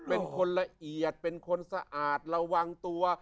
เป็นคนละเอียดเป็นคนสะอาดระวังตัว